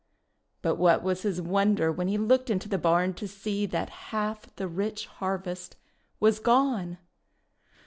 But what was his wonder when he looked into the barn to see that half the rich harvest was gone!